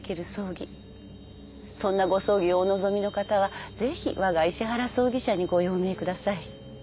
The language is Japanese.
そんなご葬儀をお望みの方はぜひわが石原葬儀社にご用命ください。